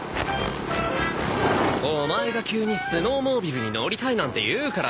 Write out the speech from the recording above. オマエが急にスノーモービルに乗りたいなんて言うから。